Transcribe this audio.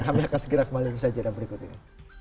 kita akan segera kembali ke sajadan berikut ini